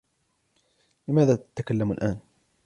لماذا تتكلم الآن؟